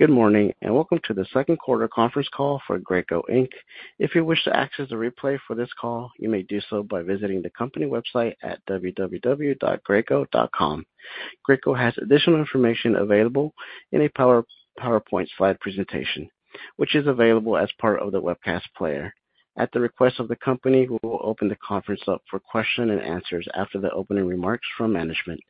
Good morning and welcome to the Second Quarter Conference call for Graco Inc. If you wish to access a replay for this call, you may do so by visiting the company website at www.graco.com. Graco has additional information available in a PowerPoint slide presentation, which is available as part of the webcast player. At the request of the company, we will open the conference up for questions and answers after the opening remarks from management.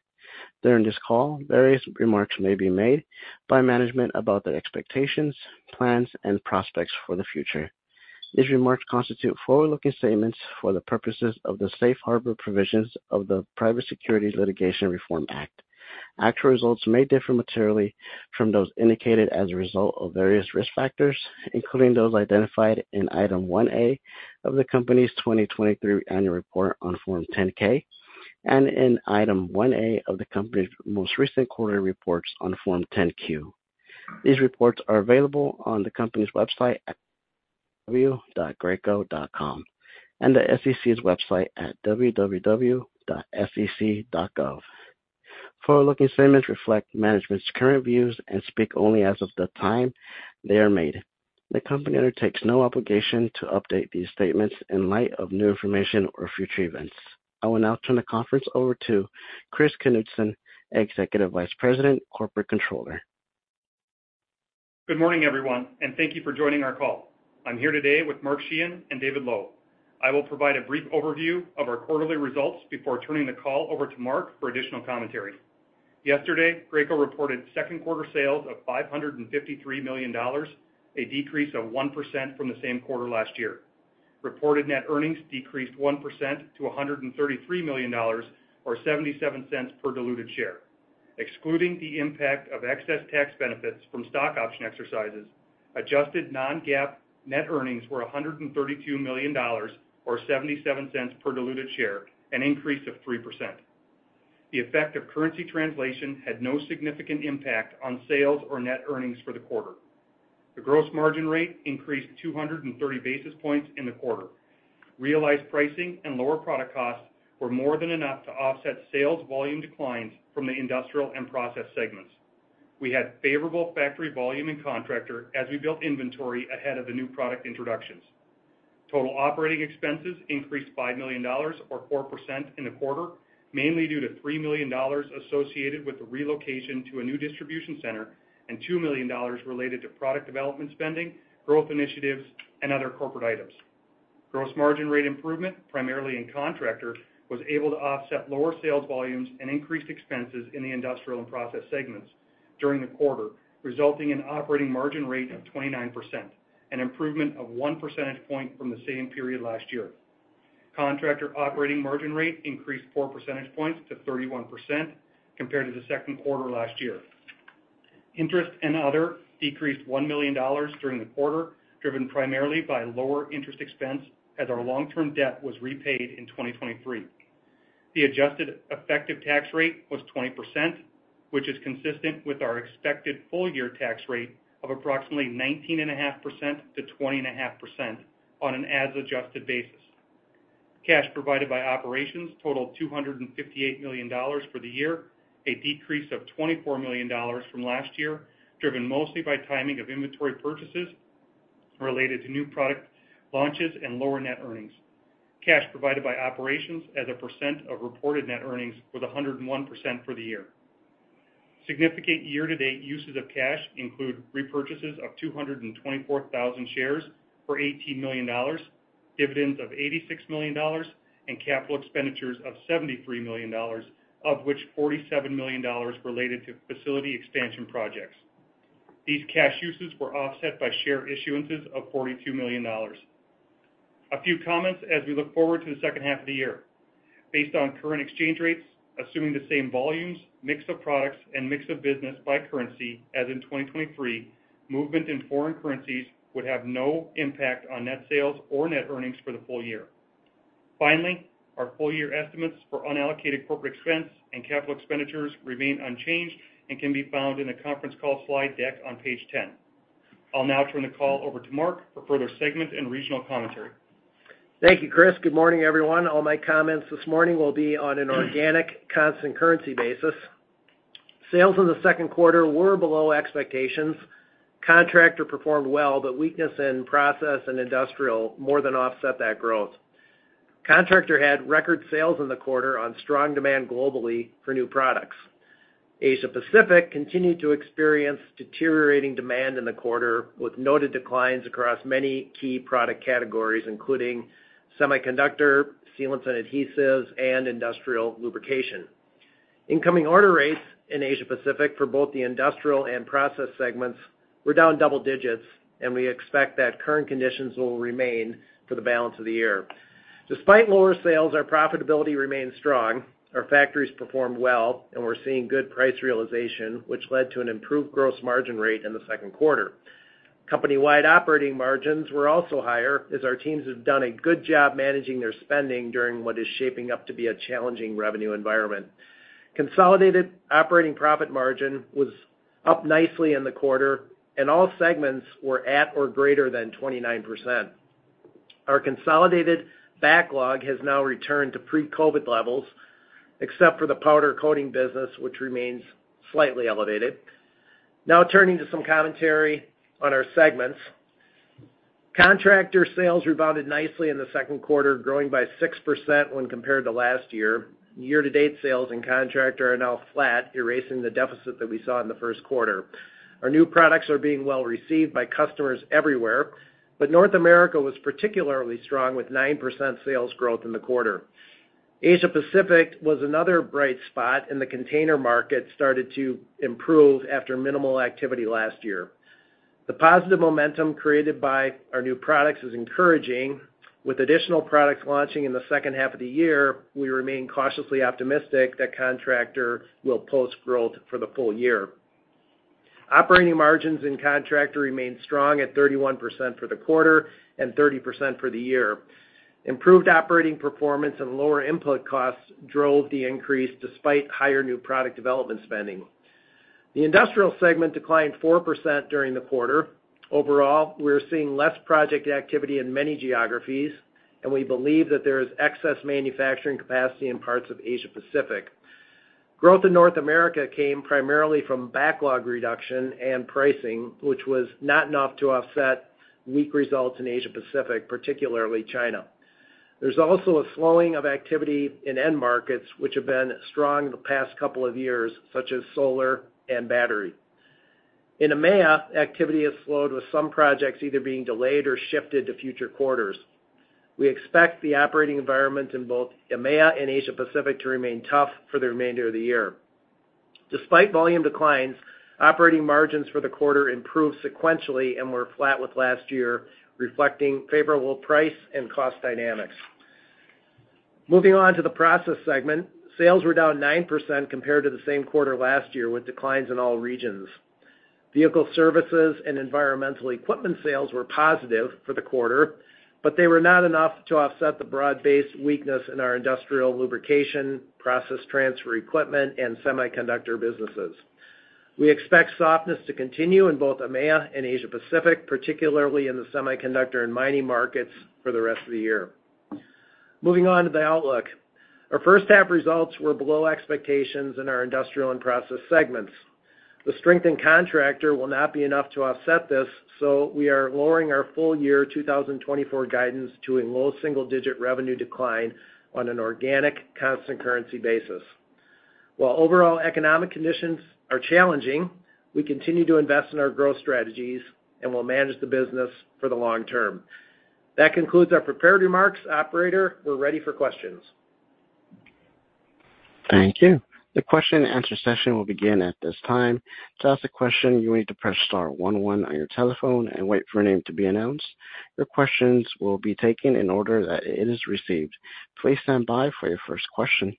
During this call, various remarks may be made by management about their expectations, plans, and prospects for the future. These remarks constitute forward-looking statements for the purposes of the Safe Harbor Provisions of the Private Security Litigation Reform Act. Actual results may differ materially from those indicated as a result of various risk factors, including those identified in Item 1A of the company's 2023 annual report on Form 10K and in Item 1A of the company's most recent quarterly reports on Form 10Q. These reports are available on the company's website at www.graco.com and the SEC's website at www.sec.gov. Forward-looking statements reflect management's current views and speak only as of the time they are made. The company undertakes no obligation to update these statements in light of new information or future events. I will now turn the conference over to Chris Knutson, Executive Vice President, Corporate Controller. Good morning, everyone, and thank you for joining our call. I'm here today with Mark Sheahan and David Lowe. I will provide a brief overview of our quarterly results before turning the call over to Mark for additional commentary. Yesterday, Graco reported second quarter sales of $553 million, a decrease of 1% from the same quarter last year. Reported net earnings decreased 1% to $133 million or $0.77 per diluted share. Excluding the impact of excess tax benefits from stock option exercises, adjusted non-GAAP net earnings were $132 million or $0.77 per diluted share, an increase of 3%. The effect of currency translation had no significant impact on sales or net earnings for the quarter. The gross margin rate increased 230 basis points in the quarter. Realized pricing and lower product costs were more than enough to offset sales volume declines from the industrial and process segments. We had favorable factory volume and contractor as we built inventory ahead of the new product introductions. Total operating expenses increased $5 million or 4% in the quarter, mainly due to $3 million associated with the relocation to a new distribution center and $2 million related to product development spending, growth initiatives, and other corporate items. Gross margin rate improvement, primarily in contractor, was able to offset lower sales volumes and increased expenses in the industrial and process segments during the quarter, resulting in an operating margin rate of 29%, an improvement of one percentage point from the same period last year. Contractor operating margin rate increased four percentage points to 31% compared to the second quarter last year. Interest and other decreased $1 million during the quarter, driven primarily by lower interest expense, as our long-term debt was repaid in 2023. The adjusted effective tax rate was 20%, which is consistent with our expected full-year tax rate of approximately 19.5%-20.5% on an as-adjusted basis. Cash provided by operations totaled $258 million for the year, a decrease of $24 million from last year, driven mostly by timing of inventory purchases related to new product launches and lower net earnings. Cash provided by operations as a percent of reported net earnings was 101% for the year. Significant year-to-date uses of cash include repurchases of 224,000 shares for $18 million, dividends of $86 million, and capital expenditures of $73 million, of which $47 million related to facility expansion projects. These cash uses were offset by share issuances of $42 million. A few comments as we look forward to the second half of the year. Based on current exchange rates, assuming the same volumes, mix of products, and mix of business by currency as in 2023, movement in foreign currencies would have no impact on net sales or net earnings for the full year. Finally, our full-year estimates for unallocated corporate expense and capital expenditures remain unchanged and can be found in the conference call slide deck on page 10. I'll now turn the call over to Mark for further segment and regional commentary. Thank you, Chris. Good morning, everyone. All my comments this morning will be on an organic constant currency basis. Sales in the second quarter were below expectations. Contractor performed well, but weakness in process and industrial more than offset that growth. Contractor had record sales in the quarter on strong demand globally for new products. Asia-Pacific continued to experience deteriorating demand in the quarter with noted declines across many key product categories, including semiconductor, sealants and adhesives, and industrial lubrication. Incoming order rates in Asia-Pacific for both the industrial and process segments were down double digits, and we expect that current conditions will remain for the balance of the year. Despite lower sales, our profitability remained strong. Our factories performed well, and we're seeing good price realization, which led to an improved gross margin rate in the second quarter. Company-wide operating margins were also higher as our teams have done a good job managing their spending during what is shaping up to be a challenging revenue environment. Consolidated operating profit margin was up nicely in the quarter, and all segments were at or greater than 29%. Our consolidated backlog has now returned to pre-COVID levels, except for the powder coating business, which remains slightly elevated. Now turning to some commentary on our segments. Contractor sales rebounded nicely in the second quarter, growing by 6% when compared to last year. Year-to-date sales in Contractor are now flat, erasing the deficit that we saw in the first quarter. Our new products are being well received by customers everywhere, but North America was particularly strong with 9% sales growth in the quarter. Asia-Pacific was another bright spot, and the container market started to improve after minimal activity last year. The positive momentum created by our new products is encouraging. With additional products launching in the second half of the year, we remain cautiously optimistic that contractor will post growth for the full year. Operating margins in contractor remained strong at 31% for the quarter and 30% for the year. Improved operating performance and lower input costs drove the increase despite higher new product development spending. The industrial segment declined 4% during the quarter. Overall, we're seeing less project activity in many geographies, and we believe that there is excess manufacturing capacity in parts of Asia-Pacific. Growth in North America came primarily from backlog reduction and pricing, which was not enough to offset weak results in Asia-Pacific, particularly China. There's also a slowing of activity in end markets, which have been strong the past couple of years, such as solar and battery. In EMEA, activity has slowed, with some projects either being delayed or shifted to future quarters. We expect the operating environment in both EMEA and Asia-Pacific to remain tough for the remainder of the year. Despite volume declines, operating margins for the quarter improved sequentially and were flat with last year, reflecting favorable price and cost dynamics. Moving on to the process segment, sales were down 9% compared to the same quarter last year, with declines in all regions. Vehicle services and environmental equipment sales were positive for the quarter, but they were not enough to offset the broad-based weakness in our industrial lubrication, process transfer equipment, and semiconductor businesses. We expect softness to continue in both EMEA and Asia-Pacific, particularly in the semiconductor and mining markets for the rest of the year. Moving on to the outlook. Our first half results were below expectations in our industrial and process segments. The strength in Contractor will not be enough to offset this, so we are lowering our full-year 2024 guidance to a low single-digit revenue decline on an organic constant currency basis. While overall economic conditions are challenging, we continue to invest in our growth strategies and will manage the business for the long term. That concludes our prepared remarks. Operator, we're ready for questions. Thank you. The question-and-answer session will begin at this time. To ask a question, you will need to press star 11 on your telephone and wait for your name to be announced. Your questions will be taken in order that it is received. Please stand by for your first question.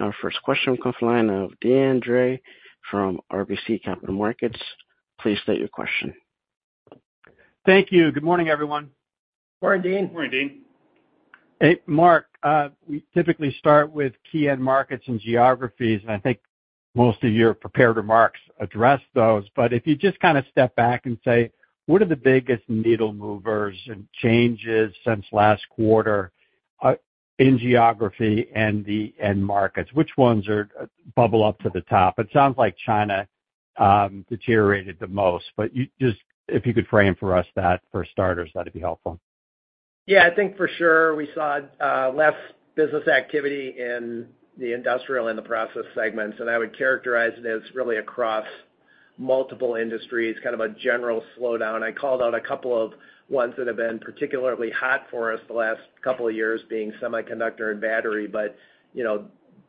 Our first question comes from the line of Deane Dray from RBC Capital Markets. Please state your question. Thank you. Good morning, everyone. Morning, Deane. Morning, Deane. Hey, Mark. We typically start with key end markets and geographies, and I think most of your prepared remarks address those. But if you just kind of step back and say, what are the biggest needle movers and changes since last quarter in geography and the end markets? Which ones bubble up to the top? It sounds like China deteriorated the most, but just if you could frame for us that for starters, that'd be helpful. Yeah, I think for sure we saw less business activity in the industrial and the process segments, and I would characterize it as really across multiple industries, kind of a general slowdown. I called out a couple of ones that have been particularly hot for us the last couple of years being semiconductor and battery, but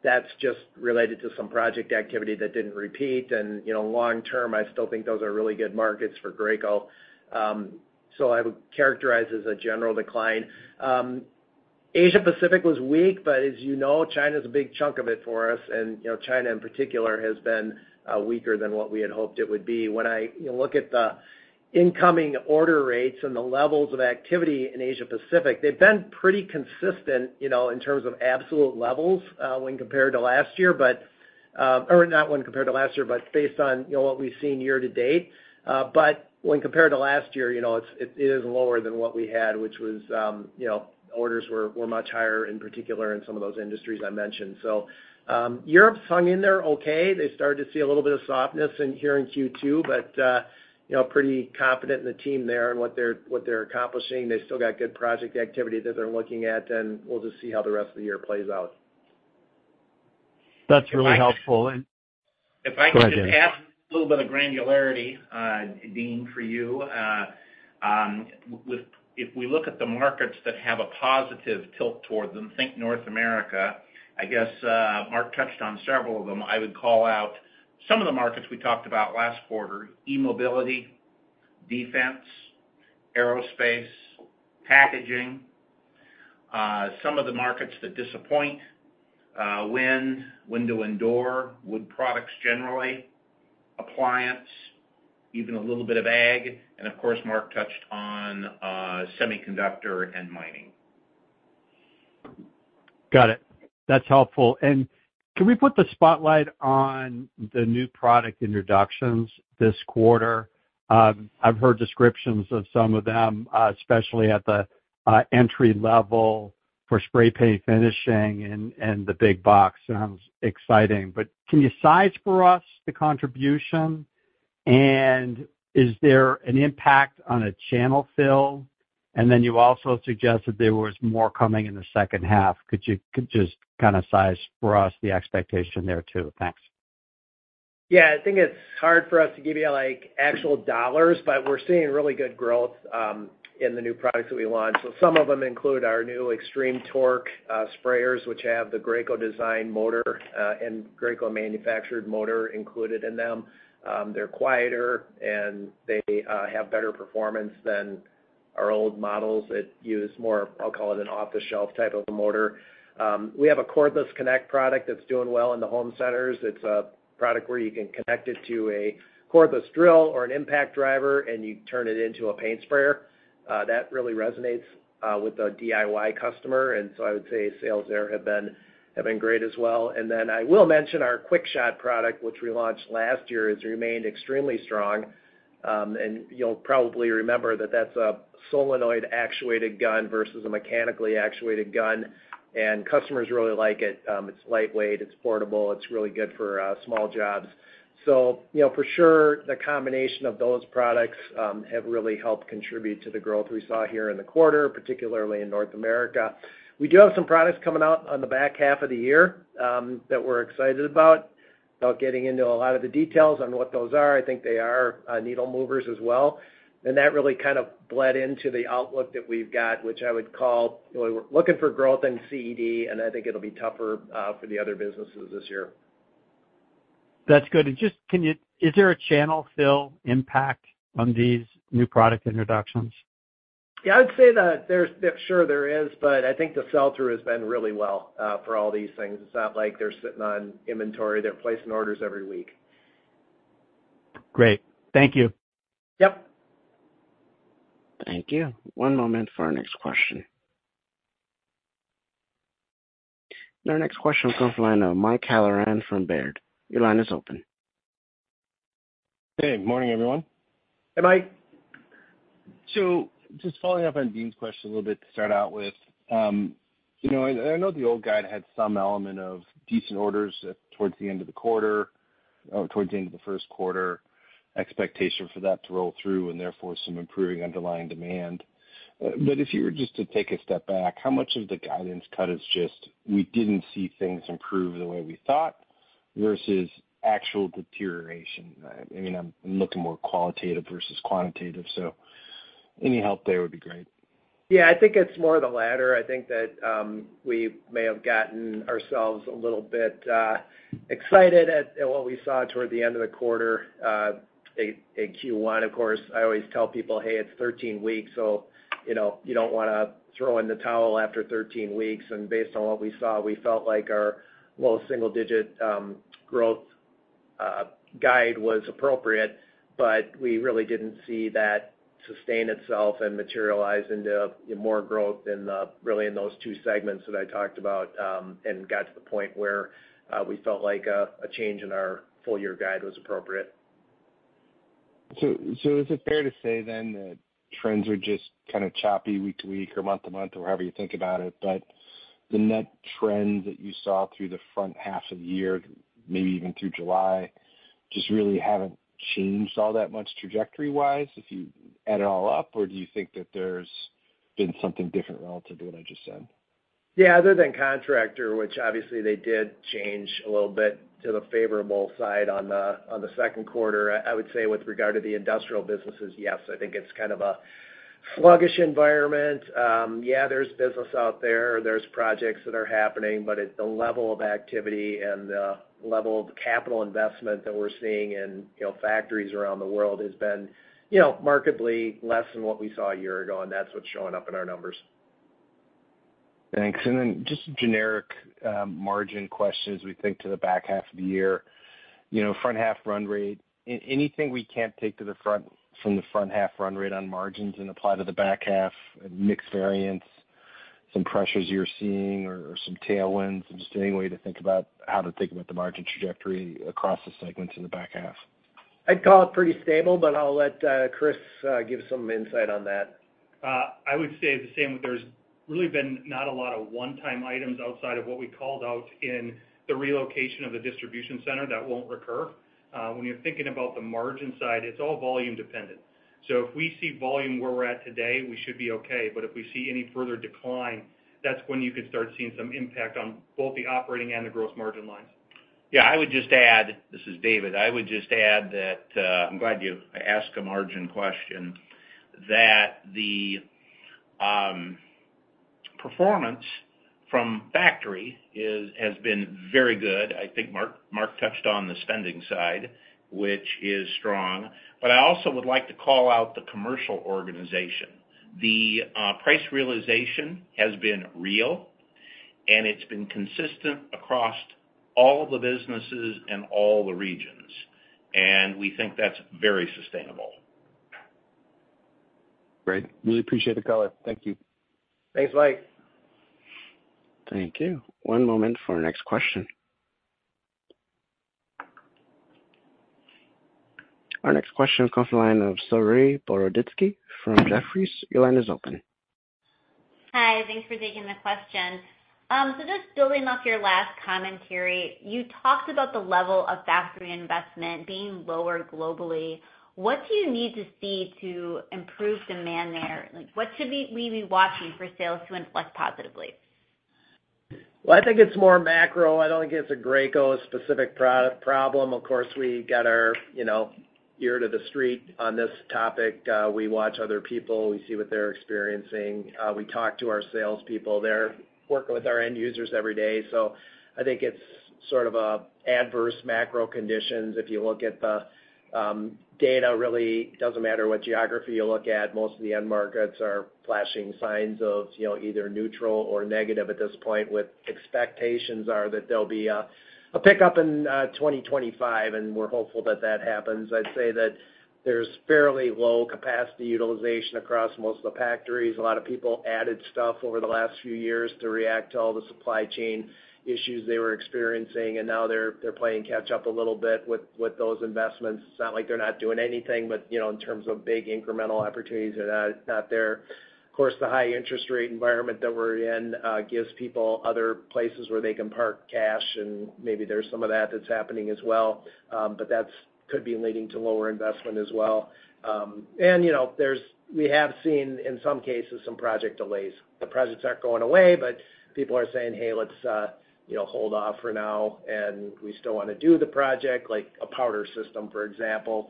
that's just related to some project activity that didn't repeat. And long term, I still think those are really good markets for Graco, so I would characterize it as a general decline. Asia-Pacific was weak, but as you know, China's a big chunk of it for us, and China in particular has been weaker than what we had hoped it would be. When I look at the incoming order rates and the levels of activity in Asia-Pacific, they've been pretty consistent in terms of absolute levels when compared to last year, but not when compared to last year, but based on what we've seen year to date. But when compared to last year, it is lower than what we had, which was orders were much higher in particular in some of those industries I mentioned. So Europe's hung in there okay. They started to see a little bit of softness in here in Q2, but pretty confident in the team there and what they're accomplishing. They still got good project activity that they're looking at, and we'll just see how the rest of the year plays out. That's really helpful. If I can just add a little bit of granularity, Deane, for you. If we look at the markets that have a positive tilt toward them, think North America, I guess Mark touched on several of them. I would call out some of the markets we talked about last quarter: E-mobility, defense, aerospace, packaging, some of the markets that disappoint: wind, window and door, wood products generally, appliance, even a little bit of ag, and of course, Mark touched on semiconductor and mining. Got it. That's helpful. Can we put the spotlight on the new product introductions this quarter? I've heard descriptions of some of them, especially at the entry level for spray paint finishing and the big box. Sounds exciting. Can you size for us the contribution, and is there an impact on a channel fill? Then you also suggested there was more coming in the second half. Could you just kind of size for us the expectation there too? Thanks. Yeah, I think it's hard for us to give you actual dollars, but we're seeing really good growth in the new products that we launched. So some of them include our new Xtreme Torque sprayers, which have the Graco design motor and Graco manufactured motor included in them. They're quieter, and they have better performance than our old models that use more, I'll call it an off-the-shelf type of motor. We have a Cordless Connect product that's doing well in the home centers. It's a product where you can connect it to a cordless drill or an impact driver, and you turn it into a paint sprayer. That really resonates with a DIY customer. And so I would say sales there have been great as well. And then I will mention our QuickShot product, which we launched last year, has remained extremely strong. You'll probably remember that that's a solenoid actuated gun versus a mechanically actuated gun, and customers really like it. It's lightweight, it's portable, it's really good for small jobs. So for sure, the combination of those products have really helped contribute to the growth we saw here in the quarter, particularly in North America. We do have some products coming out on the back half of the year that we're excited about, about getting into a lot of the details on what those are. I think they are needle movers as well. That really kind of bled into the outlook that we've got, which I would call we're looking for growth in CED, and I think it'll be tougher for the other businesses this year. That's good. Is there a channel fill impact on these new product introductions? Yeah, I would say that sure there is, but I think the sell-through has been really well for all these things. It's not like they're sitting on inventory. They're placing orders every week. Great. Thank you. Yep. Thank you. One moment for our next question. Our next question comes from the line of Mike Halloran from Baird. Your line is open. Hey, good morning, everyone. Hey, Mike. So just following up on Deane's question a little bit to start out with, I know the old guide had some element of decent orders towards the end of the quarter or towards the end of the first quarter, expectation for that to roll through and therefore some improving underlying demand. But if you were just to take a step back, how much of the guidance cut is just we didn't see things improve the way we thought versus actual deterioration? I mean, I'm looking more qualitative versus quantitative, so any help there would be great. Yeah, I think it's more of the latter. I think that we may have gotten ourselves a little bit excited at what we saw toward the end of the quarter in Q1. Of course, I always tell people, "Hey, it's 13 weeks, so you don't want to throw in the towel after 13 weeks." Based on what we saw, we felt like our low single-digit growth guide was appropriate, but we really didn't see that sustain itself and materialize into more growth really in those two segments that I talked about and got to the point where we felt like a change in our full-year guide was appropriate. So, is it fair to say then that trends are just kind of choppy week to week or month to month or however you think about it, but the net trend that you saw through the front half of the year, maybe even through July, just really haven't changed all that much trajectory-wise if you add it all up, or do you think that there's been something different relative to what I just said? Yeah, other than Contractor, which obviously they did change a little bit to the favorable side on the second quarter, I would say with regard to the industrial businesses, yes, I think it's kind of a sluggish environment. Yeah, there's business out there. There's projects that are happening, but the level of activity and the level of capital investment that we're seeing in factories around the world has been markedly less than what we saw a year ago, and that's what's showing up in our numbers. Thanks. And then just a generic margin question as we think to the back half of the year. Front half run rate, anything we can't take to the front from the front half run rate on margins and apply to the back half and mixed variance, some pressures you're seeing or some tailwinds and just any way to think about how to think about the margin trajectory across the segments in the back half? I'd call it pretty stable, but I'll let Chris give some insight on that. I would say the same. There's really been not a lot of one-time items outside of what we called out in the relocation of the distribution center that won't recur. When you're thinking about the margin side, it's all volume dependent. So if we see volume where we're at today, we should be okay. But if we see any further decline, that's when you can start seeing some impact on both the operating and the gross margin lines. Yeah, I would just add, this is David. I would just add that I'm glad you asked a margin question, that the performance from factory has been very good. I think Mark touched on the spending side, which is strong. But I also would like to call out the commercial organization. The price realization has been real, and it's been consistent across all the businesses and all the regions. And we think that's very sustainable. Great. Really appreciate the color. Thank you. Thanks, Mike. Thank you. One moment for our next question. Our next question comes from the line of Saree Boroditsky from Jefferies. Your line is open. Hi. Thanks for taking the question. So just building off your last commentary, you talked about the level of factory investment being lower globally. What do you need to see to improve demand there? What should we be watching for sales to inflect positively? Well, I think it's more macro. I don't think it's a Graco-specific problem. Of course, we got our ear to the street on this topic. We watch other people. We see what they're experiencing. We talk to our salespeople. They're working with our end users every day. So I think it's sort of adverse macro conditions. If you look at the data, it really doesn't matter what geography you look at. Most of the end markets are flashing signs of either neutral or negative at this point, with expectations that there'll be a pickup in 2025, and we're hopeful that that happens. I'd say that there's fairly low capacity utilization across most of the factories. A lot of people added stuff over the last few years to react to all the supply chain issues they were experiencing, and now they're playing catch-up a little bit with those investments. It's not like they're not doing anything, but in terms of big incremental opportunities, they're not there. Of course, the high interest rate environment that we're in gives people other places where they can park cash, and maybe there's some of that that's happening as well, but that could be leading to lower investment as well. We have seen, in some cases, some project delays. The projects aren't going away, but people are saying, "Hey, let's hold off for now," and we still want to do the project. A powder system, for example,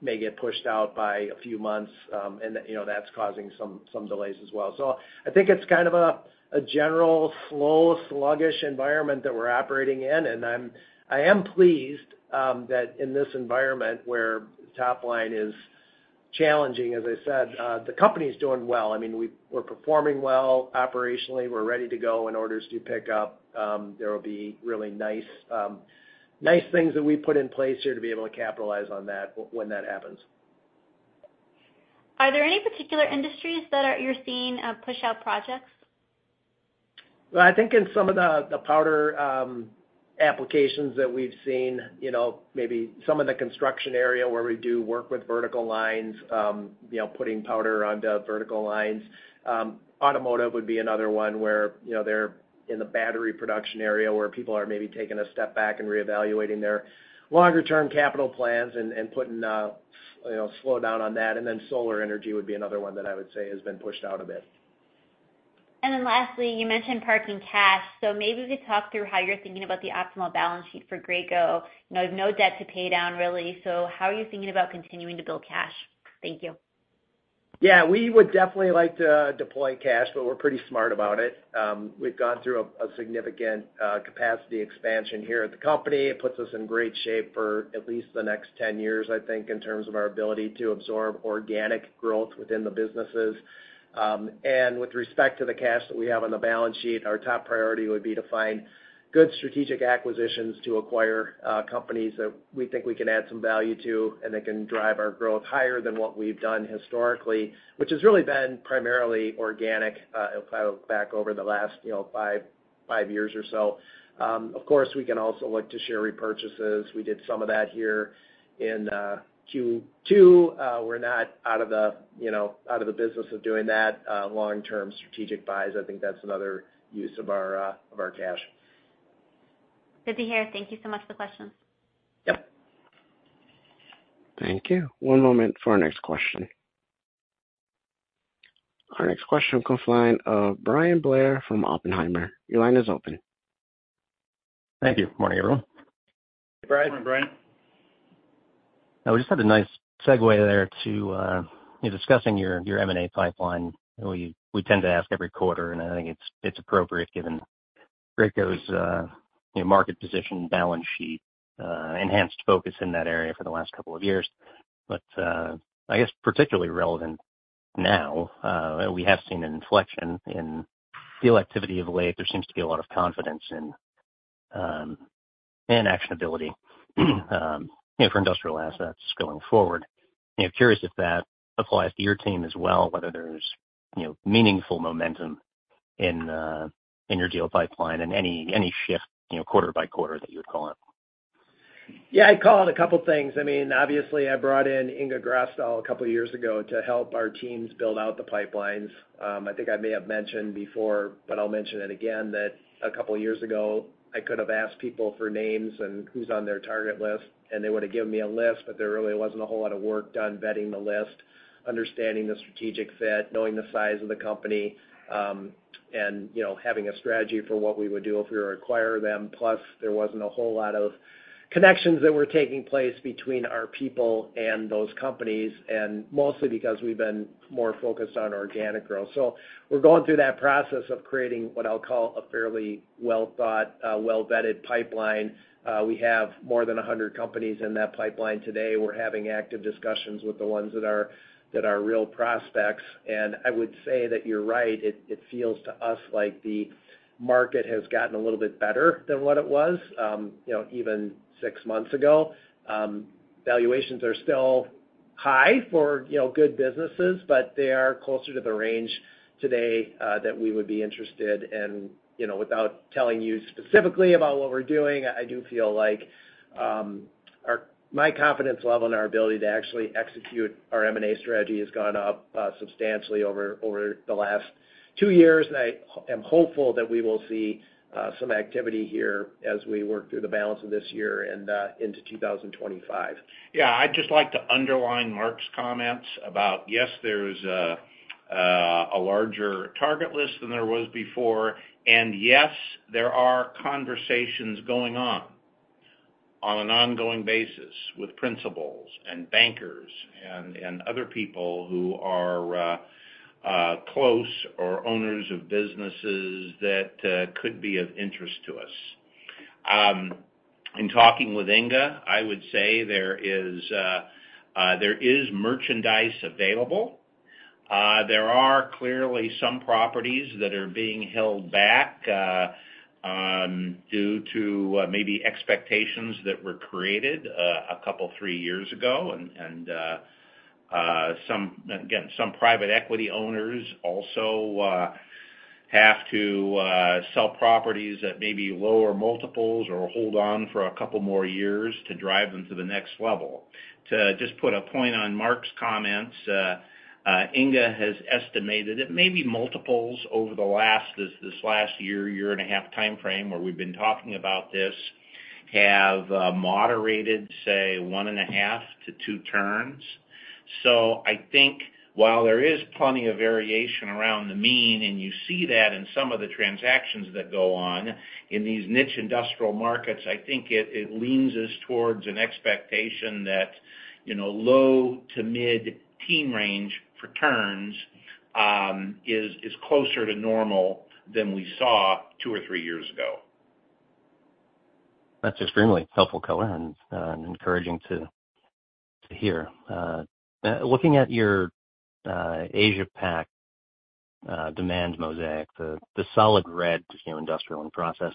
may get pushed out by a few months, and that's causing some delays as well. I think it's kind of a general slow, sluggish environment that we're operating in. I am pleased that in this environment where the top line is challenging, as I said, the company's doing well. I mean, we're performing well operationally. We're ready to go in order to pick up. There will be really nice things that we put in place here to be able to capitalize on that when that happens. Are there any particular industries that you're seeing push out projects? Well, I think in some of the powder applications that we've seen, maybe some of the construction area where we do work with vertical lines, putting powder onto vertical lines. Automotive would be another one where they're in the battery production area where people are maybe taking a step back and reevaluating their longer-term capital plans and putting a slowdown on that. And then solar energy would be another one that I would say has been pushed out a bit. Then lastly, you mentioned parking cash. Maybe we could talk through how you're thinking about the optimal balance sheet for Graco. You have no debt to pay down, really. How are you thinking about continuing to build cash? Thank you. Yeah, we would definitely like to deploy cash, but we're pretty smart about it. We've gone through a significant capacity expansion here at the company. It puts us in great shape for at least the next 10 years, I think, in terms of our ability to absorb organic growth within the businesses. With respect to the cash that we have on the balance sheet, our top priority would be to find good strategic acquisitions to acquire companies that we think we can add some value to and that can drive our growth higher than what we've done historically, which has really been primarily organic back over the last five years or so. Of course, we can also look to share repurchases. We did some of that here in Q2. We're not out of the business of doing that. Long-term strategic buys, I think that's another use of our cash. Good to hear. Thank you so much for the questions. Yep. Thank you. One moment for our next question. Our next question comes from Bryan Blair from Oppenheimer. Your line is open. Thank you. Good morning, everyone. Hey, Brian. Good morning, Bryan. We just had a nice segue there to discussing your M&A pipeline. We tend to ask every quarter, and I think it's appropriate given Graco's market position, balance sheet, enhanced focus in that area for the last couple of years. But I guess particularly relevant now, we have seen an inflection in deal activity of late. There seems to be a lot of confidence in actionability for industrial assets going forward. Curious if that applies to your team as well, whether there's meaningful momentum in your deal pipeline and any shift quarter by quarter that you would call out. Yeah, I'd call it a couple of things. I mean, obviously, I brought in Inge Grasdal a couple of years ago to help our teams build out the pipelines. I think I may have mentioned before, but I'll mention it again, that a couple of years ago, I could have asked people for names and who's on their target list, and they would have given me a list, but there really wasn't a whole lot of work done vetting the list, understanding the strategic fit, knowing the size of the company, and having a strategy for what we would do if we were to acquire them. Plus, there wasn't a whole lot of connections that were taking place between our people and those companies, and mostly because we've been more focused on organic growth. So we're going through that process of creating what I'll call a fairly well-thought, well-vetted pipeline. We have more than 100 companies in that pipeline today. We're having active discussions with the ones that are real prospects. And I would say that you're right. It feels to us like the market has gotten a little bit better than what it was even six months ago. Valuations are still high for good businesses, but they are closer to the range today that we would be interested in. Without telling you specifically about what we're doing, I do feel like my confidence level in our ability to actually execute our M&A strategy has gone up substantially over the last two years. And I am hopeful that we will see some activity here as we work through the balance of this year and into 2025. Yeah, I'd just like to underline Mark's comments about, yes, there's a larger target list than there was before, and yes, there are conversations going on on an ongoing basis with principals and bankers and other people who are close or owners of businesses that could be of interest to us. In talking with Inge, I would say there is merchandise available. There are clearly some properties that are being held back due to maybe expectations that were created a couple, three years ago. And again, some private equity owners also have to sell properties at maybe lower multiples or hold on for a couple more years to drive them to the next level. To just put a point on Mark's comments, Inge has estimated that maybe multiples over the last, this last year, year and a half timeframe where we've been talking about this have moderated, say, 1.5-2 turns. So I think while there is plenty of variation around the mean, and you see that in some of the transactions that go on in these niche industrial markets, I think it leans us towards an expectation that low to mid-teen range for turns is closer to normal than we saw two or three years ago. That's extremely helpful color, and encouraging to hear. Looking at your Asia-Pac demand mosaic, the solid red, just industrial and process,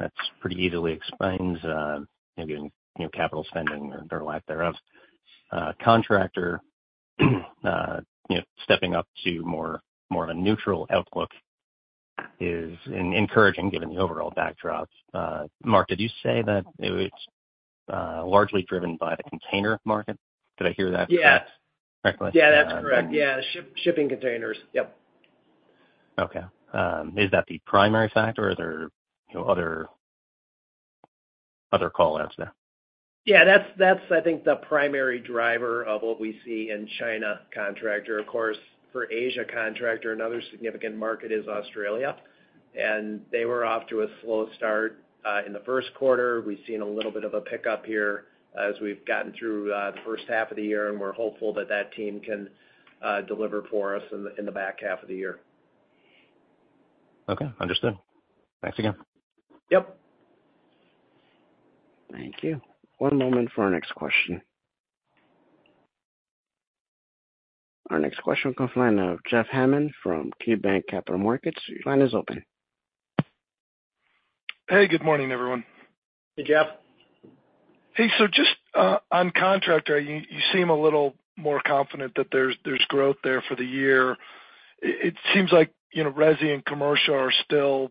that pretty easily explains capital spending or lack thereof. Contractor stepping up to more of a neutral outlook is encouraging given the overall backdrop. Mark, did you say that it's largely driven by the container market? Did I hear that correctly? Yeah. Yeah, that's correct. Yeah. Shipping containers. Yep. Okay. Is that the primary factor, or are there other callouts there? Yeah, that's, I think, the primary driver of what we see in China Contractor. Of course, for Asia Contractor, another significant market is Australia. And they were off to a slow start in the first quarter. We've seen a little bit of a pickup here as we've gotten through the first half of the year, and we're hopeful that that team can deliver for us in the back half of the year. Okay. Understood. Thanks again. Yep. Thank you. One moment for our next question. Our next question comes from the line of Jeff Hammond from KeyBanc Capital Markets. Your line is open. Hey, good morning, everyone. Hey, Jeff. Hey. So just on Contractor, you seem a little more confident that there's growth there for the year. It seems like resi and commercial are still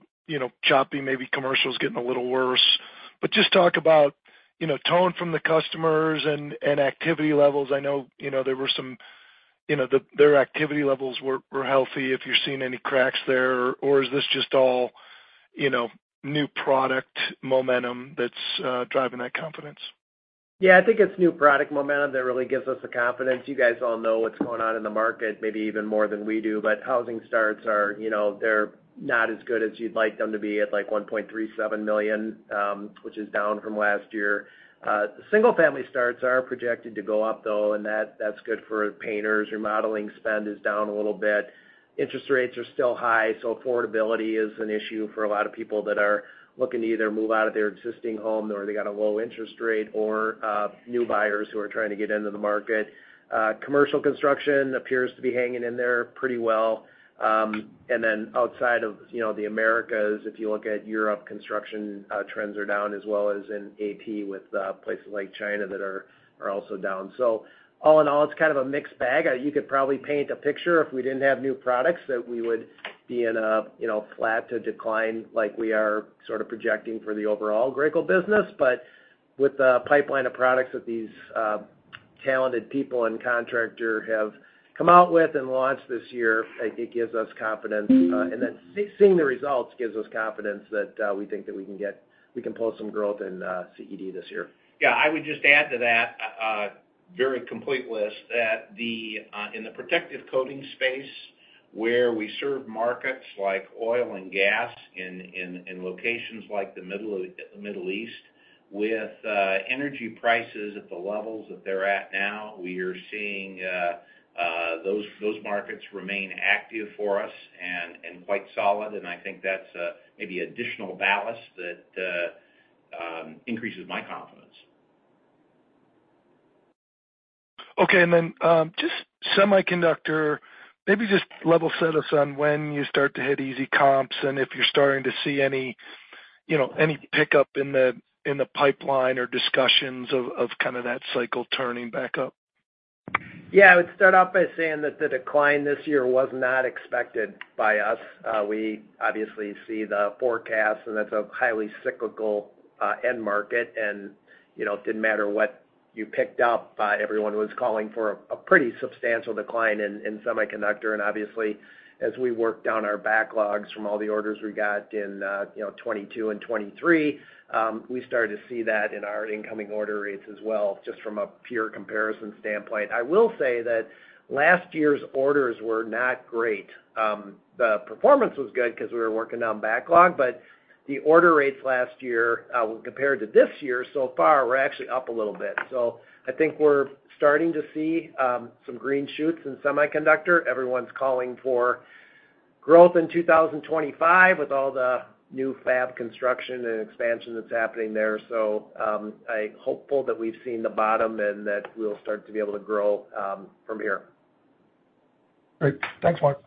choppy. Maybe commercial is getting a little worse. But just talk about tone from the customers and activity levels. I know there were some. Their activity levels were healthy. If you're seeing any cracks there, or is this just all new product momentum that's driving that confidence? Yeah, I think it's new product momentum that really gives us the confidence. You guys all know what's going on in the market, maybe even more than we do. But housing starts, they're not as good as you'd like them to be at 1.37 million, which is down from last year. Single-family starts are projected to go up, though, and that's good for painters. Remodeling spend is down a little bit. Interest rates are still high, so affordability is an issue for a lot of people that are looking to either move out of their existing home or they got a low interest rate or new buyers who are trying to get into the market. Commercial construction appears to be hanging in there pretty well. And then outside of the Americas, if you look at Europe, construction trends are down as well as in AP with places like China that are also down. So all in all, it's kind of a mixed bag. You could probably paint a picture. If we didn't have new products, that we would be in a flat to decline like we are sort of projecting for the overall Graco business. But with the pipeline of products that these talented people and contractor have come out with and launched this year, it gives us confidence. And then seeing the results gives us confidence that we think that we can pull some growth in CED this year. Yeah. I would just add to that very complete list that in the protective coating space where we serve markets like oil and gas in locations like the Middle East, with energy prices at the levels that they're at now, we are seeing those markets remain active for us and quite solid. And I think that's maybe additional ballast that increases my confidence. Okay. And then just semiconductor, maybe just level set us on when you start to hit easy comps and if you're starting to see any pickup in the pipeline or discussions of kind of that cycle turning back up? Yeah. I would start off by saying that the decline this year was not expected by us. We obviously see the forecast, and that's a highly cyclical end market. And it didn't matter what you picked up. Everyone was calling for a pretty substantial decline in semiconductor. And obviously, as we work down our backlogs from all the orders we got in 2022 and 2023, we started to see that in our incoming order rates as well, just from a pure comparison standpoint. I will say that last year's orders were not great. The performance was good because we were working on backlog. But the order rates last year, when compared to this year, so far, we're actually up a little bit. So I think we're starting to see some green shoots in semiconductor. Everyone's calling for growth in 2025 with all the new fab construction and expansion that's happening there. I'm hopeful that we've seen the bottom and that we'll start to be able to grow from here. Great. Thanks, Mark.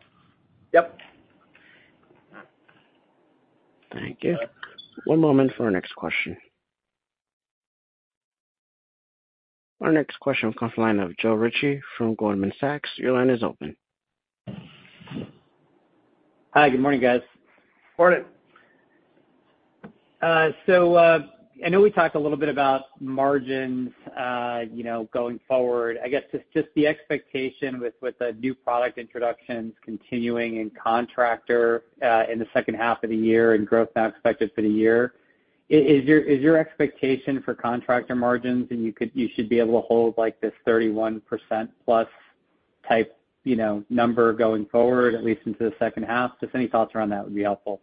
Yep. Thank you. One moment for our next question. Our next question comes from the line of Joe Ritchie from Goldman Sachs. Your line is open. Hi. Good morning, guys. Morning. So I know we talked a little bit about margins going forward. I guess just the expectation with the new product introductions continuing in contractor in the second half of the year and growth now expected for the year. Is your expectation for Contractor margins that you should be able to hold this 31%+ type number going forward, at least into the second half? Just any thoughts around that would be helpful.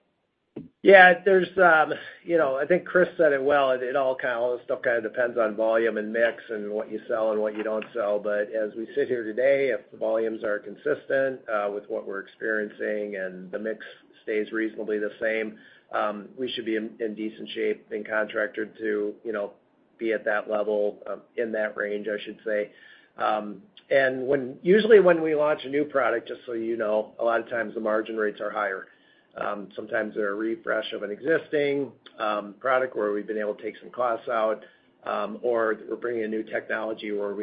Yeah. I think Chris said it well. It all kind of all this stuff kind of depends on volume and mix and what you sell and what you don't sell. But as we sit here today, if the volumes are consistent with what we're experiencing and the mix stays reasonably the same, we should be in decent shape in contractor to be at that level, in that range, I should say. And usually when we launch a new product, just so you know, a lot of times the margin rates are higher. Sometimes they're a refresh of an existing product where we've been able to take some costs out or we're bringing a new technology where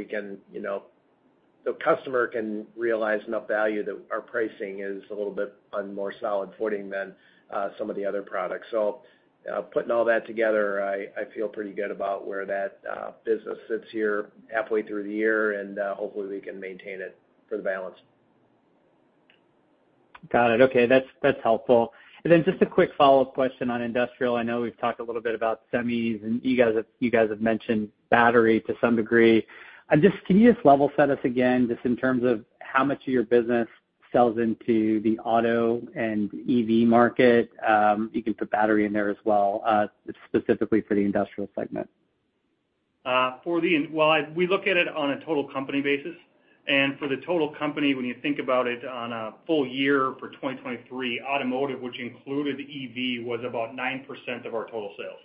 the customer can realize enough value that our pricing is a little bit on more solid footing than some of the other products. Putting all that together, I feel pretty good about where that business sits here halfway through the year, and hopefully we can maintain it for the balance. Got it. Okay. That's helpful. And then just a quick follow-up question on industrial. I know we've talked a little bit about semis, and you guys have mentioned battery to some degree. Can you just level set us again, just in terms of how much of your business sells into the auto and EV market? You can put battery in there as well, specifically for the industrial segment. Well, we look at it on a total company basis. For the total company, when you think about it on a full year for 2023, automotive, which included EV, was about 9% of our total sales.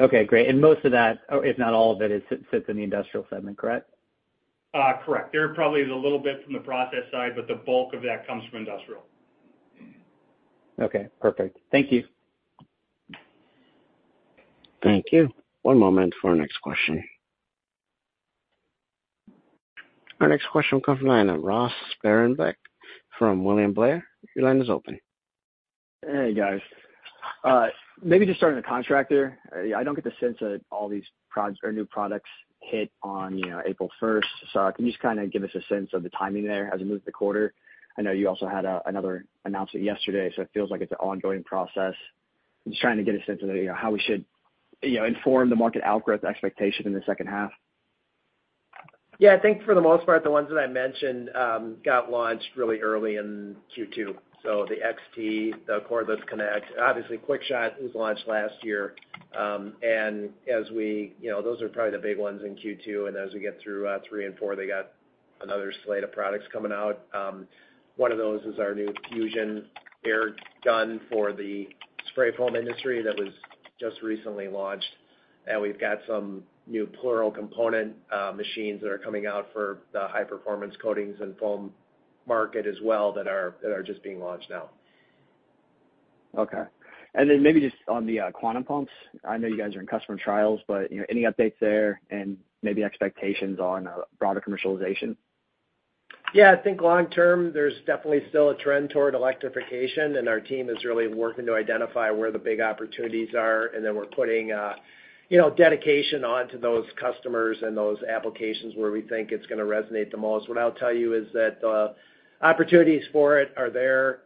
Okay. Great. Most of that, if not all of it, sits in the industrial segment, correct? Correct. There probably is a little bit from the process side, but the bulk of that comes from industrial. Okay. Perfect. Thank you. Thank you. One moment for our next question. Our next question comes from the line of Ross Sparenblek from William Blair. Your line is open. Hey, guys. Maybe just starting with contractor. I don't get the sense that all these new products hit on April 1st. So can you just kind of give us a sense of the timing there as we move the quarter? I know you also had another announcement yesterday, so it feels like it's an ongoing process. I'm just trying to get a sense of how we should inform the market outgrowth expectation in the second half. Yeah. I think for the most part, the ones that I mentioned got launched really early in Q2. So the XT, the Cordless Connect, obviously, QuickShot was launched last year. And those are probably the big ones in Q2. And as we get through three and four, they got another slate of products coming out. One of those is our new Fusion Air Gun for the spray foam industry that was just recently launched. And we've got some new plural component machines that are coming out for the high-performance coatings and foam market as well that are just being launched now. Okay. And then maybe just on the QUANTM pumps, I know you guys are in customer trials, but any updates there and maybe expectations on broader commercialization? Yeah. I think long term, there's definitely still a trend toward electrification, and our team is really working to identify where the big opportunities are. And then we're putting dedication onto those customers and those applications where we think it's going to resonate the most. What I'll tell you is that the opportunities for it are there.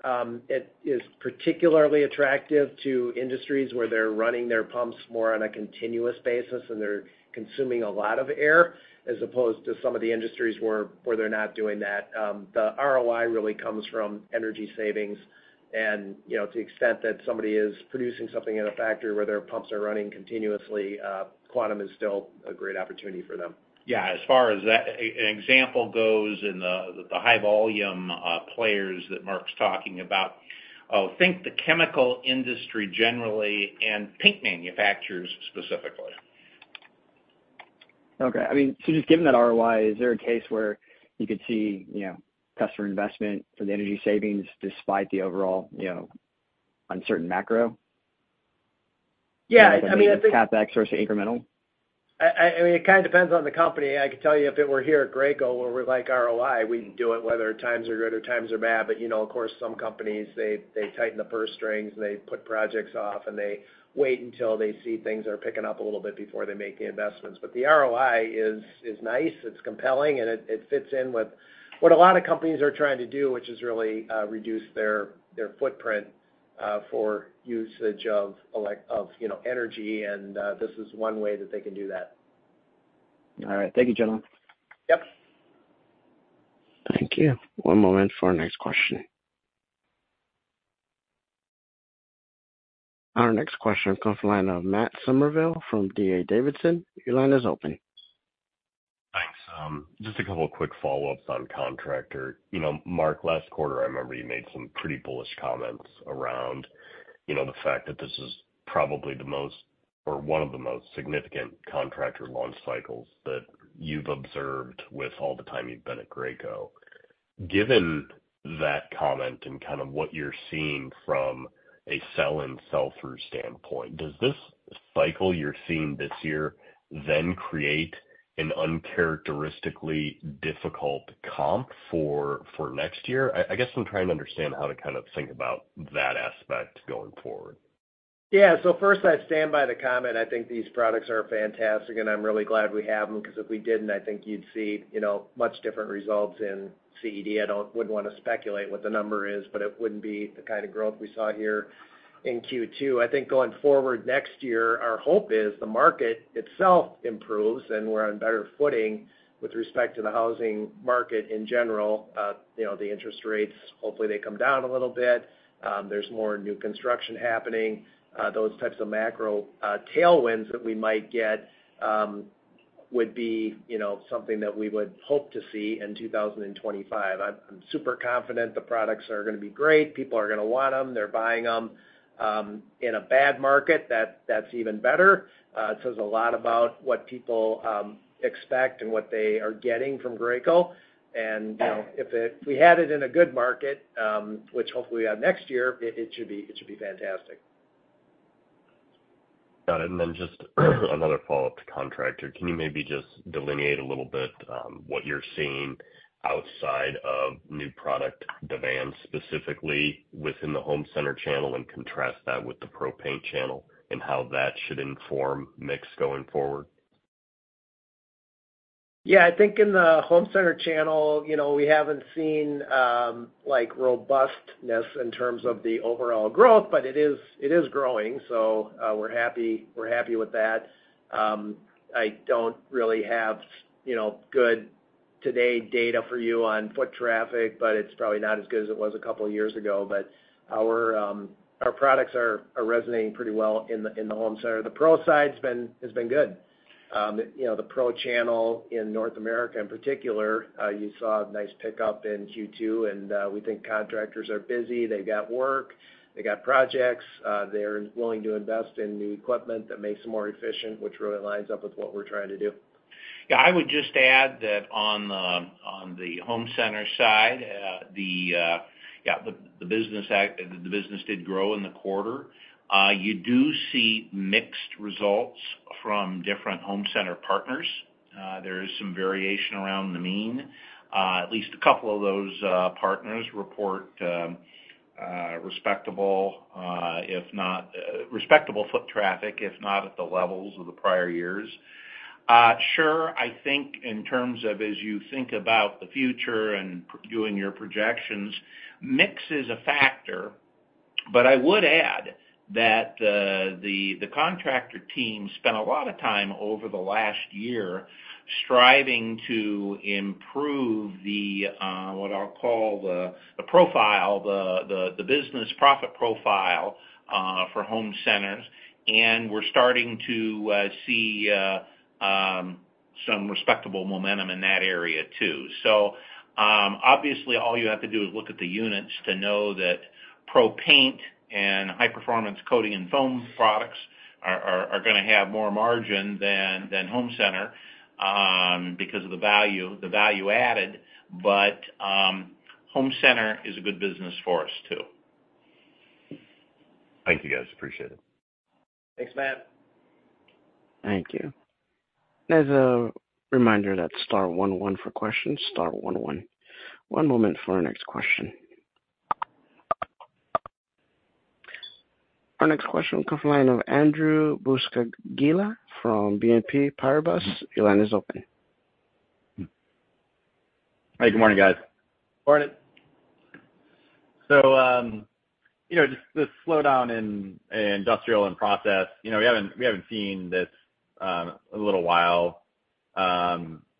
It is particularly attractive to industries where they're running their pumps more on a continuous basis, and they're consuming a lot of air as opposed to some of the industries where they're not doing that. The ROI really comes from energy savings. And to the extent that somebody is producing something in a factory where their pumps are running continuously, QUANTM is still a great opportunity for them. Yeah. As far as an example goes in the high-volume players that Mark's talking about, I think the chemical industry generally and paint manufacturers specifically. Okay. I mean, so just given that ROI, is there a case where you could see customer investment for the energy savings despite the overall uncertain macro? Yeah. I mean, I think. I mean CapEx versus incremental? I mean, it kind of depends on the company. I could tell you if it were here at Graco, where we're like ROI, we'd do it whether times are good or times are bad. But of course, some companies, they tighten the purse strings, and they put projects off, and they wait until they see things are picking up a little bit before they make the investments. But the ROI is nice. It's compelling, and it fits in with what a lot of companies are trying to do, which is really reduce their footprint for usage of energy. And this is one way that they can do that. All right. Thank you, gentlemen. Yep. Thank you. One moment for our next question. Our next question comes from the line of Matt Summerville from D.A. Davidson. Your line is open. Thanks. Just a couple of quick follow-ups on contractor. Mark, last quarter, I remember you made some pretty bullish comments around the fact that this is probably the most or one of the most significant contractor launch cycles that you've observed with all the time you've been at Graco. Given that comment and kind of what you're seeing from a sell-in/sell-through standpoint, does this cycle you're seeing this year then create an uncharacteristically difficult comp for next year? I guess I'm trying to understand how to kind of think about that aspect going forward. Yeah. So first, I stand by the comment. I think these products are fantastic, and I'm really glad we have them because if we didn't, I think you'd see much different results in CED. I wouldn't want to speculate what the number is, but it wouldn't be the kind of growth we saw here in Q2. I think going forward next year, our hope is the market itself improves and we're on better footing with respect to the housing market in general. The interest rates, hopefully, they come down a little bit. There's more new construction happening. Those types of macro tailwinds that we might get would be something that we would hope to see in 2025. I'm super confident the products are going to be great. People are going to want them. They're buying them. In a bad market, that's even better. It says a lot about what people expect and what they are getting from Graco. If we had it in a good market, which hopefully we have next year, it should be fantastic. Got it. Just another follow-up to Contractor. Can you maybe just delineate a little bit what you're seeing outside of new product demand specifically within the Home Center channel and contrast that with the Pro Paint channel and how that should inform mix going forward? Yeah. I think in the Home Center channel, we haven't seen robustness in terms of the overall growth, but it is growing. So we're happy with that. I don't really have good today data for you on foot traffic, but it's probably not as good as it was a couple of years ago. But our products are resonating pretty well in the Home Center. The Pro side has been good. The Pro channel in North America in particular, you saw a nice pickup in Q2, and we think contractors are busy. They've got work. They've got projects. They're willing to invest in new equipment that makes them more efficient, which really lines up with what we're trying to do. Yeah. I would just add that on the Home Center side, yeah, the business did grow in the quarter. You do see mixed results from different Home Center partners. There is some variation around the mean. At least a couple of those partners report respectable foot traffic, if not at the levels of the prior years. Sure. I think in terms of as you think about the future and doing your projections, mix is a factor. But I would add that the Contractor team spent a lot of time over the last year striving to improve the, what I'll call, the profile, the business profit profile for Home Centers. And we're starting to see some respectable momentum in that area too. Obviously, all you have to do is look at the units to know that plural and high-performance coating and foam products are going to have more margin than Home Center because of the value added. But Home Center is a good business for us too. Thank you, guys. Appreciate it. Thanks, Matt. Thank you. As a reminder, that's star one one for questions. Star one one. One moment for our next question. Our next question comes from the line of Andrew Buscaglia from BNP Paribas. Your line is open. Hey. Good morning, guys. Morning. So just to slow down in Industrial and Process, we haven't seen this in a little while.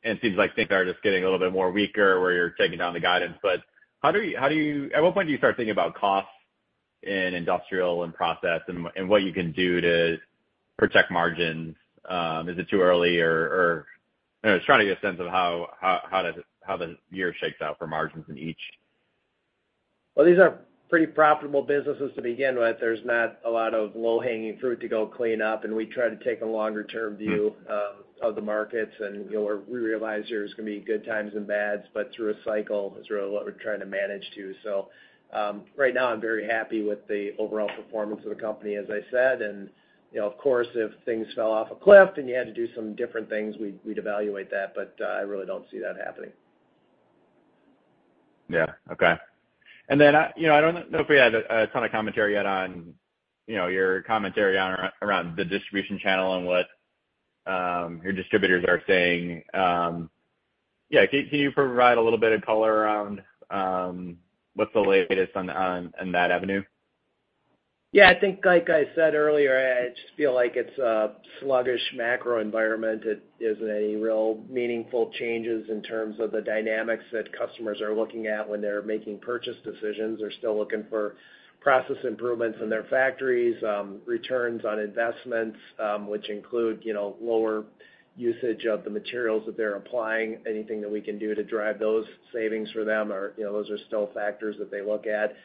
It seems like things are just getting a little bit more weaker where you're taking down the guidance. But how do you at what point do you start thinking about costs in Industrial and Process and what you can do to protect margins? Is it too early? Or, I'm just trying to get a sense of how the year shakes out for margins in each. Well, these are pretty profitable businesses to begin with. There's not a lot of low-hanging fruit to go clean up. We try to take a longer-term view of the markets. We realize there's going to be good times and bads, but through a cycle is really what we're trying to manage too. Right now, I'm very happy with the overall performance of the company, as I said. Of course, if things fell off a cliff and you had to do some different things, we'd evaluate that. I really don't see that happening. Yeah. Okay. And then I don't know if we had a ton of commentary yet on your commentary around the distribution channel and what your distributors are saying. Yeah. Can you provide a little bit of color around what's the latest on that avenue? Yeah. I think, like I said earlier, I just feel like it's a sluggish macro environment. It isn't any real meaningful changes in terms of the dynamics that customers are looking at when they're making purchase decisions. They're still looking for process improvements in their factories, returns on investments, which include lower usage of the materials that they're applying. Anything that we can do to drive those savings for them, those are still factors that they look at.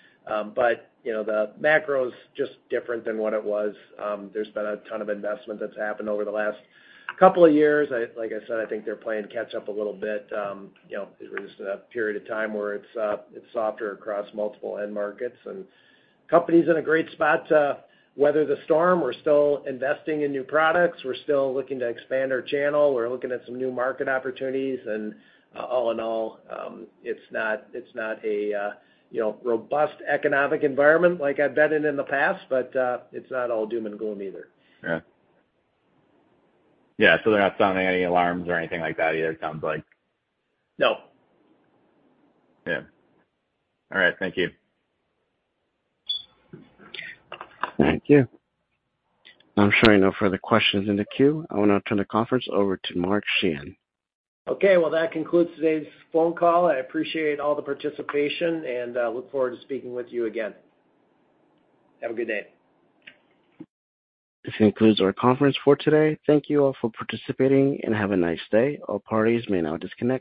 But the macro's just different than what it was. There's been a ton of investment that's happened over the last couple of years. Like I said, I think they're playing catch-up a little bit. We're just in a period of time where it's softer across multiple end markets. And the company's in a great spot to weather the storm. We're still investing in new products. We're still looking to expand our channel. We're looking at some new market opportunities. All in all, it's not a robust economic environment like I've been in the past, but it's not all doom and gloom either. Yeah. Yeah. So they're not sounding any alarms or anything like that either. It sounds like. No. Yeah. All right. Thank you. Thank you. I'm sure I know for the questions in the queue. I will now turn the conference over to Mark Sheahan. Okay. Well, that concludes today's phone call. I appreciate all the participation and look forward to speaking with you again. Have a good day. This concludes our conference for today. Thank you all for participating and have a nice day. All parties may now disconnect.